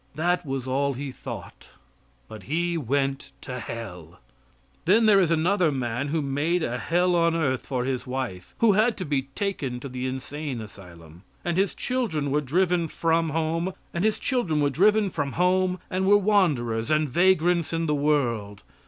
That was all he thought, but he went to Hell. Then, there is another man who made a hell on earth for his wife, who had to be taken to the insane asylum, and his children were driven from home and were wanderers and vagrants in the world.